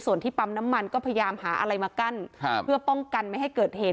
ส่วนที่ปั๊มน้ำมันก็พยายามหาอะไรมากั้นเพื่อป้องกันไม่ให้เกิดเหตุ